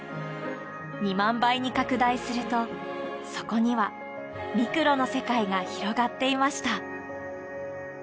２万倍に拡大するとそこにはミクロの世界が広がっていました。